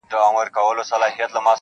• دا یوه وینا یې څو ځله پېچله -